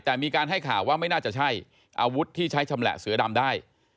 แต่มีการให้ข่าวว่าไม่น่าจะใช่อาวุธที่ใช้ชำแหละเสือดำได้